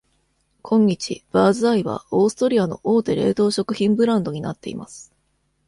今日、Birds Eye はオーストリアの大手冷凍食品ブランドになっています。